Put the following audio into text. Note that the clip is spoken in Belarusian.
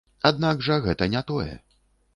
Аднак жа гэта не тое.